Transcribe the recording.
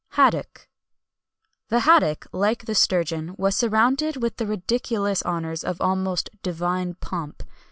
HADDOCK. The haddock, like the sturgeon, was surrounded with the ridiculous honours of an almost divine pomp.